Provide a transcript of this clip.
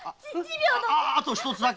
あと一つだけ。